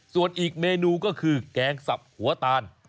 ส่วนอีกเมนูก็คือแกงสับหัวตาล